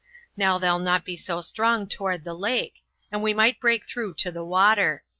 Now they'll not be so strong toward the lake, and we might break through to the water.